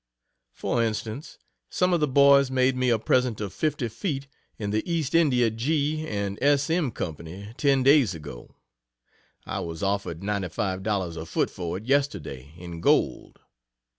For instance, some of the boys made me a present of fifty feet in the East India G. and S. M. Company ten days ago. I was offered ninety five dollars a foot for it, yesterday, in gold.